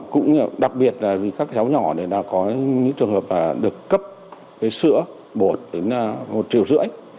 cũng đặc biệt là vì các cháu nhỏ này đã có những trường hợp được cấp cây sữa bột đến một triệu rưỡi